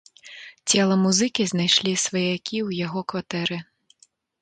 Цела музыкі знайшлі сваякі ў яго кватэры.